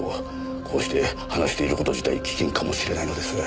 こうして話している事自体危険かもしれないのです。